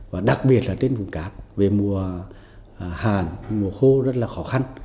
và đặc biệt là trên vùng cát về mùa hàn mùa khô rất là khó khăn